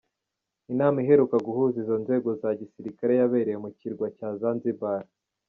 Inama iheruka guhuza izi nzego za gisirikare yabereye mu cyirwa cya Zanzibar.